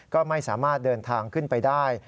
ก็ไม่สามารถเดินทางขึ้นไปได้